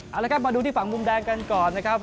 เอาละครับมาดูที่ฝั่งมุมแดงกันก่อนนะครับ